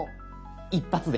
一発で。